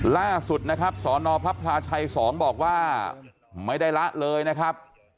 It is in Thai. ล่าสุดนะครับสนพระพลาชัย๒บอกว่าไม่ได้ละเลยนะครับ